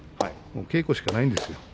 稽古しかないんですよ。